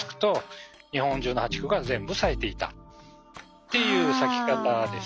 っていう咲き方です。